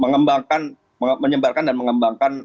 mengembangkan menyebarkan dan mengembangkan